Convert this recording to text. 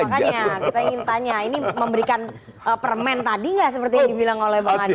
makanya kita ingin tanya ini memberikan permen tadi nggak seperti yang dibilang oleh bang adi